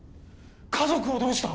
家族をどうした？